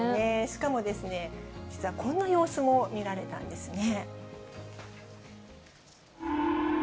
しかも実はこんな様子も見られたんですね。